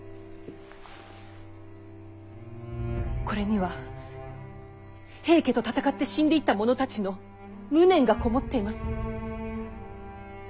これには平家と戦って死んでいった者たちの無念が籠もっています。